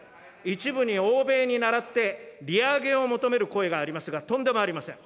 一部に欧米にならって、利上げを求める声がありますが、とんでもありません。